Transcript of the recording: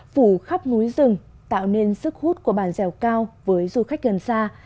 phủ khắp núi rừng tạo nên sức hút của bản dèo cao với du khách gần xa